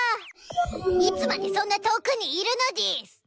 いつまでそんな遠くにいるのでぃす！